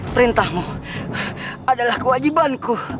perintahmu adalah kewajibanku